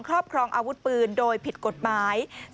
ครอบครองอาวุธปืนโดยผิดกฎหมาย